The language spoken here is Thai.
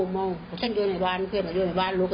โทรไปไม่ทันใช่ไหมคะ